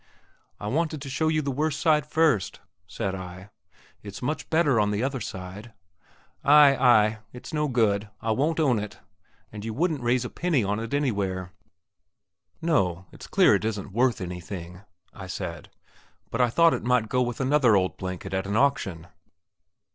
"I wanted to show you the worse side first," said I; "it's much better on the other side." "Ay, ay; it's no good. I won't own it; and you wouldn't raise a penny on it anywhere." "No, it's clear it isn't worth anything," I said; "but I thought it might go with another old blanket at an auction."